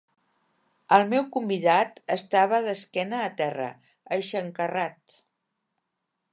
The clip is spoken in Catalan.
El meu convidat estava d'esquena a terra, eixancarrat.